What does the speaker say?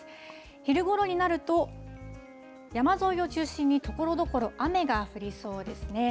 昼ごろになると、山沿いを中心にところどころ、雨が降りそうですね。